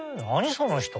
その人。